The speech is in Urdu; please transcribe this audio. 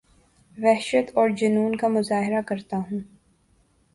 وحشت اورجنون کا مظاہرہ کرتا ہوں